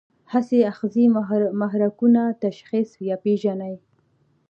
حسي آخذې محرکونه تشخیص یا پېژني.